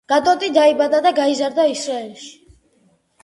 გადოტი დაიბადა და გაიზარდა ისრაელში.